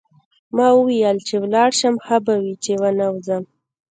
ما وویل چې ولاړ شم ښه به وي چې ونه ځم.